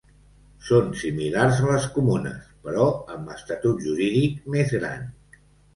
Són similars a les comunes, però amb estatut jurídic més gran.